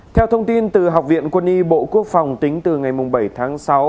theo thông tin từ học viện quân y bộ quốc phòng tính từ ngày bảy tháng sáu